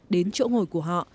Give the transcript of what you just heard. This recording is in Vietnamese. đến chỗ ngồi của họ